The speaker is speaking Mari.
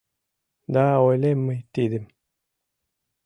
Да ойлем мый тидым: